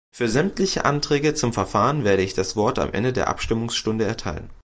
Für sämtliche Anträge zum Verfahren werde ich das Wort am Ende der Abstimmungsstunde erteilen.